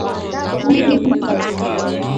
Mkoba wa ukili hutengenezwa kwa kutumia ukindu